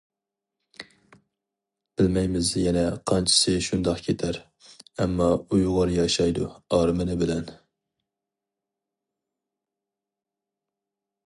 بىلمەيمىز يەنە قانچىسى شۇنداق كېتەر؟ ئەمما ئۇيغۇر ياشايدۇ ئارمىنى بىلەن!